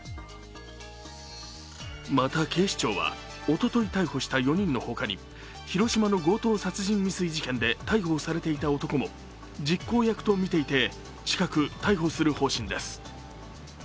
また警視庁は、おととい逮捕した４人の他に広島の強盗殺人未遂事件で逮捕されていた男も実行役とみていて近く逮捕する方針です。